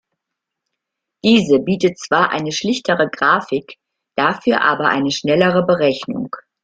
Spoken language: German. Diese bietet zwar eine schlichtere Grafik, dafür aber eine schnellere Berechnung.